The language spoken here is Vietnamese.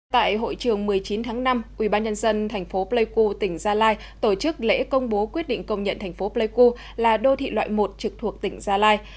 tại hội trường một mươi chín tháng năm ubnd tp pleiku tỉnh gia lai tổ chức lễ công bố quyết định công nhận thành phố pleiku là đô thị loại một trực thuộc tỉnh gia lai